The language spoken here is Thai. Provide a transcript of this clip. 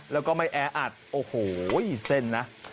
แล้วก็ไม่แออัดโอ้โหเส้นนะ